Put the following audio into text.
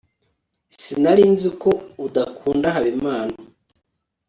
sinari nzi ko udakunda habimana